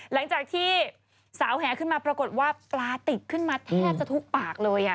หลังจากที่สาวแหขึ้นมาปรากฏว่าปลาติดขึ้นมาแทบจะทุกปากเลย